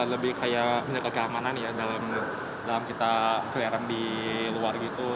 lebih kayak menjaga keamanan ya dalam kita keliaran di luar gitu